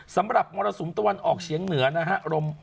สำหรับมรสมตะวันออกเฉียงเหนือนะครับ